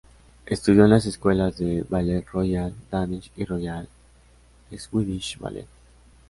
Estudió en las escuelas de ballet Royal Danish y Royal Swedish Ballet.